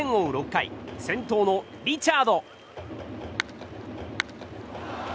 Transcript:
６回先頭のリチャード。